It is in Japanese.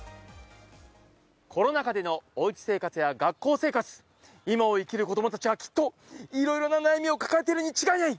コロナ禍でのおうち生活や学校生活、今を生きる子どもたちはきっといろいろな悩みを抱えてるに違いない。